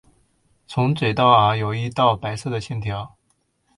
从嘴到耳有一道白色的线条。